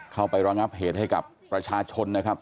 เข้าไปร้องรับเหตุให้กับประชาชนนะครับ